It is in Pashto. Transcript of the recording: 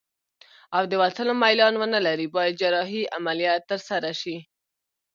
او د وتلو میلان ونلري باید جراحي عملیه ترسره شي.